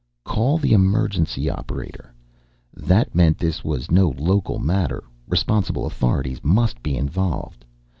Call the emergency operator that meant this was no local matter, responsible authorities must be involved.